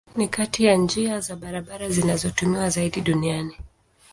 Ni kati ya njia za bahari zinazotumiwa zaidi duniani.